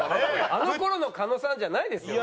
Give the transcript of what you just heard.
あの頃の狩野さんじゃないですよ。